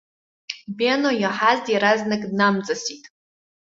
Бено иаҳаз иаразнак днамҵасит.